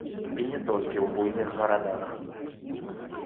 І не толькі ў буйных гарадах.